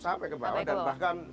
sampai ke bawah dan bahkan